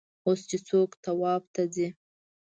اوس چې څوک طواف ته ځي.